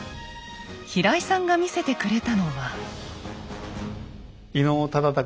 平井さんが見せてくれたのは。